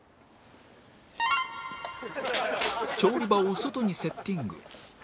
調理場を外にセッティング